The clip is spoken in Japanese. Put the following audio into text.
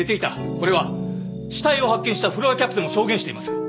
これは死体を発見したフロアキャプテンも証言しています。